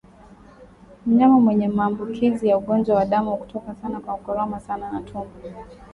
Mnyama mwenye maambukizi ya ugonjwa wa kutoka damu sana hukoroma sana tumbo